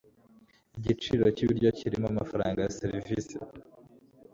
Igiciro cyibiryo kirimo amafaranga ya serivisi.